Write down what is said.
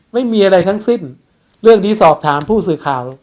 ไม่มีอะไรทั้งสิ้นเรื่องนี้สอบถามผู้สื่อข่าว